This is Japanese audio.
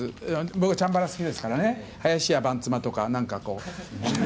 僕はチャンバラ好きですからね、林家阪妻とか、なんかこう。